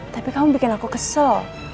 tapi kamu bikin aku kesel